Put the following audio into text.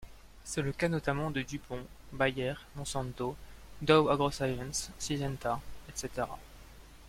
C'est le cas notamment de DuPont, Bayer, Monsanto, Dow AgroScience, Syngenta, etc.